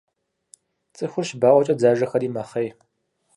Цӏыхур щыбауэкӏэ дзажэхэри мэхъей.